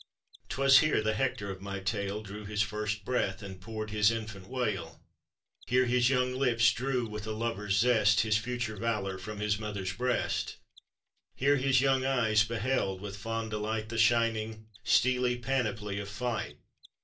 Twas here the Hector of my tab Drew his first breath, and poured hi* infant wail; Here his young lips drew with a lover* zml His future valor from hi, mother'* breast; Here his young eyes beheld with fond delight The shining, steely panoply of fight.